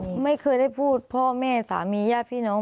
ไม่เคยได้พูดพ่อแม่สามีญาติพี่น้อง